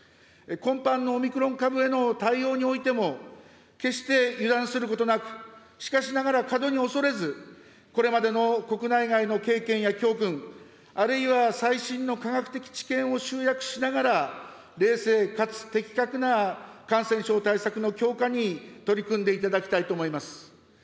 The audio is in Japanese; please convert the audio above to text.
今般のオミクロン株への対応においても、決して油断することなく、しかしながら過度に恐れず、これまでの国内外の経験や教訓、あるいは最新の科学的知見を集約しながら、冷静かつ的確な感染症対策の強化に取り組んでいただきたいと思います。